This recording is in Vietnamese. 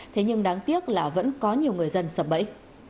thế nhưng đáng tiếc là vẫn có nhiều người dân sập bẫy